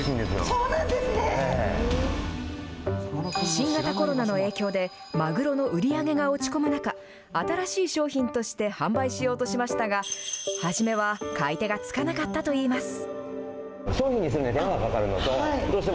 新型コロナの影響で、マグロの売り上げが落ち込む中、新しい商品として販売しようとしましたが、初めは買い手がつかなかったといいます。